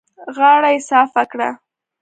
غاړه يې صافه کړه.